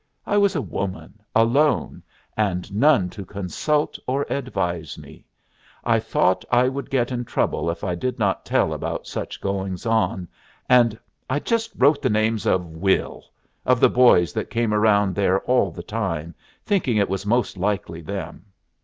I was a woman, alone, and none to consult or advise me. I thought I would get in trouble if I did not tell about such goings on, and I just wrote the names of Will of the boys that came round there all the time, thinking it was most likely them.